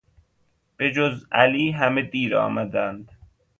به جز علی همه دیر آمدند.